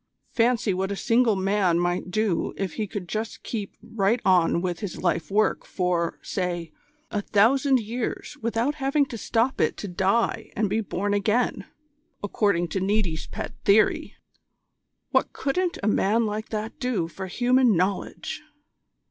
Fancy what a single man might do if he could just keep right on with his life work for, say, a thousand years without having to stop it to die and be born again, according to Niti's pet theory. What couldn't a man like that do for human knowledge!"